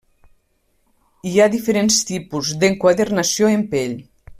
Hi ha diferents tipus d'enquadernació en pell.